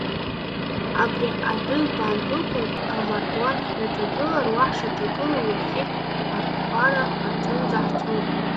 Абри адәыӷбаандәықәлалак, амардуанҳҩаҿагылар, уа ҳшаҿагылоу, ҩахьхьи, архәара аҿынӡа ҳцоит.